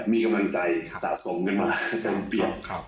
มีกำลังใจสะสมกันมากันเปรียบ